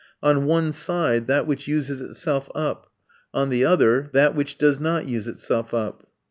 On one side, that which uses itself up; on the other, that which does not use itself up.